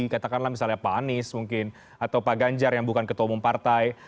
katakanlah misalnya pak anies mungkin atau pak ganjar yang bukan ketua umum partai